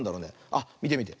あっみてみて。